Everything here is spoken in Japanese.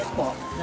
何？